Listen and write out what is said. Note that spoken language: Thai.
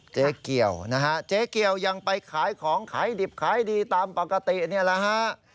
เจ๊เกี่ยวนะฮะเจ๊เกียวยังไปขายของขายดิบขายดีตามปกตินี่แหละฮะ